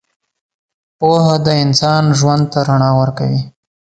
پوهه د انسان ژوند ته رڼا ورکوي.